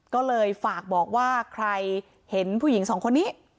ก็เลยฝากบอกว่าใครเห็นผู้หญิงสองคนนี้